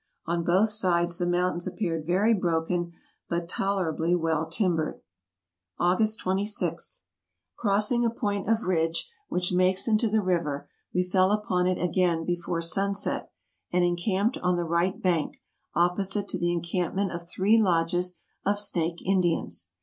On both sides the mountains appeared very broken, but tolerably well timbered. August 26. — Crossing a point of ridge which makes into the river, we fell upon it again before sunset, and encamped on the right bank opposite to the encampment of three lodges of Snake Indians.